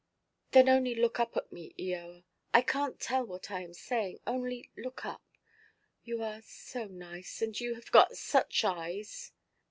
"Then only look up at me, Eoa. I canʼt tell what I am saying. Only look up. You are so nice. And you have got such eyes."